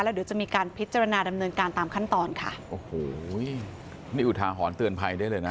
เดี๋ยวจะมีการพิจารณาดำเนินการตามขั้นตอนค่ะโอ้โหนี่อุทาหรณ์เตือนภัยได้เลยนะ